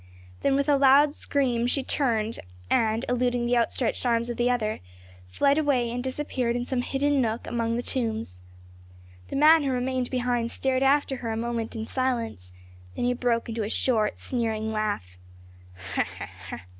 Then with a loud scream she turned, and, eluding the outstretched arms of the other, fled away and disappeared in some hidden nook among the tombs. The man who remained behind stared after her a moment in silence, then he broke into a short sneering laugh.